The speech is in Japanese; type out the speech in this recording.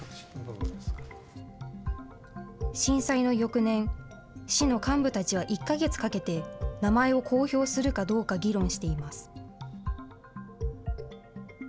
震災の翌年、市の幹部たちは１か月かけて、名前を公表するかどうか議論しています。